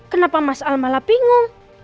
kenapa mas al malah bingung